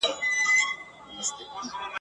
یاغي بنده یم د خلوت زولنې چېرته منم !.